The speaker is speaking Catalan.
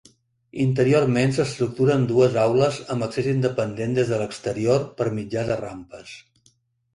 Interiorment s'estructura en dues aules amb accés independent des de l'exterior per mitjà de rampes.